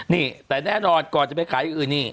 นี่แต่แน่นอนก่อนจะไปขายอย่างอื่นนี่